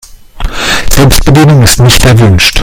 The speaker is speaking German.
Selbstbedienung ist nicht erwünscht.